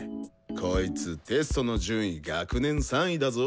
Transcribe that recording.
こいつテストの順位学年３位だぞ。